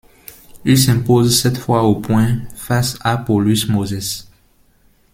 Il s'impose cette fois aux points face à Paulus Moses.